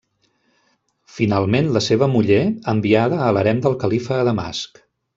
Finalment la seva muller enviada a l'harem del califa a Damasc.